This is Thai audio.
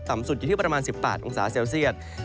สุดอยู่ที่ประมาณ๑๘องศาเซลเซียต